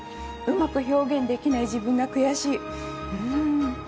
うまく表現できない自分が悔しい。